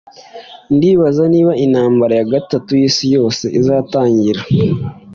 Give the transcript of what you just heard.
Ndibaza niba intambara ya gatatu yisi yose izatangira.